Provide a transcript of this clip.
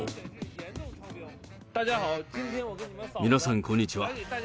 皆さん、こんにちは。